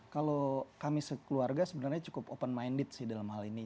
kalau kami sekeluarga sebenarnya cukup open minded sih dalam hal ini